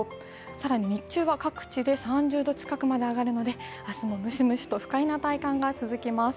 更に日中は各地で３０度近くまで上がるので明日もムシムシと不快な体感が続きます。